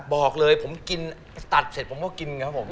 บอกเลยผมกินตัดเสร็จผมก็กินครับผม